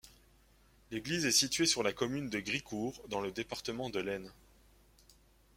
L'église est située sur la commune de Gricourt, dans le département de l'Aisne.